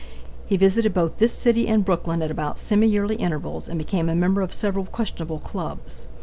He visited both this city and Brooklyn at about semi yearly intervals and became a member of several questionable clubs.